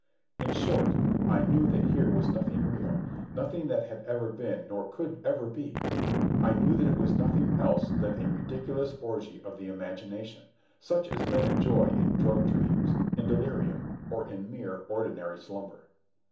In short, I knew that here was nothing real, nothing that had ever been nor could ever be. I knew that it was nothing else than a ridiculous orgy of the imagination, such as men enjoy in drug dreams, in delirium, or in mere ordinary slumber.